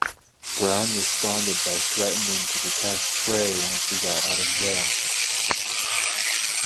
Brown responded by threatening to attack Trey once he got out of jail.